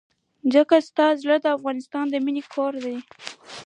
ځکه ستا زړه د افغانستان د مينې کور دی.